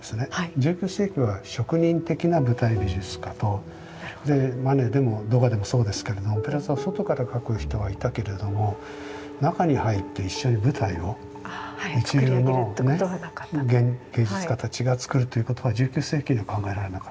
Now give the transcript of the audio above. １９世紀は職人的な舞台美術家とマネでもドガでもそうですけれどもオペラ座を外から描く人はいたけれども中に入って一緒に舞台を一流の芸術家たちが作るということは１９世紀には考えられなかった。